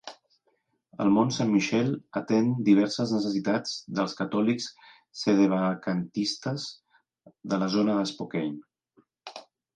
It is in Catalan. El Mount Saint Michael atén diverses necessitats dels catòlics sedevacantistes de la zona de Spokane.